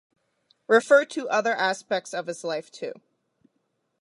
Refer to other aspects of his life too.